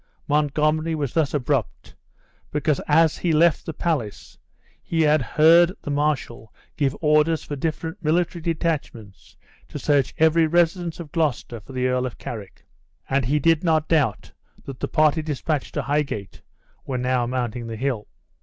Montgomery was thus abrupt, because as he left the palace he had heard the marshal give orders for different military detachments to search every residence of Gloucester for the Earl of Carrick; and he did not doubt that the party dispatched to Highgate were now mounting the hill.